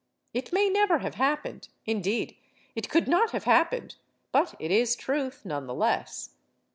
It may never have happened ; indeed, it could not have happened, but it is truth, none the less.